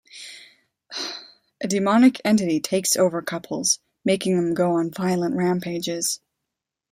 A demonic entity takes over couples, making them go on violent rampages.